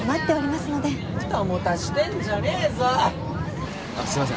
すいません